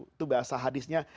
itu bahasa hadisnya